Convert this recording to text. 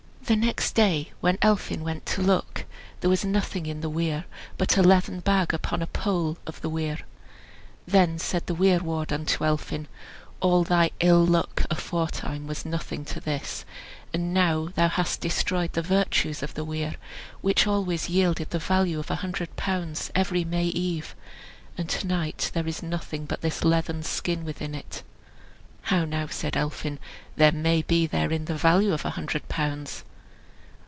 The next day, when Elphin went to look, there was nothing in the weir but a leathern bag upon a pole of the weir. Then said the weir ward unto Elphin, "All thy ill luck aforetime was nothing to this; and now thou hast destroyed the virtues of the weir, which always yielded the value of an hundred pounds every May eve; and to night there is nothing but this leathern skin within it." "How now," said Elphin, "there may be therein the value of a hundred pounds."